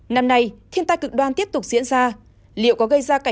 năm nay thiên tai cực đoan tiếp tục diễn ra